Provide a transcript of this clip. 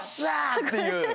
っていう。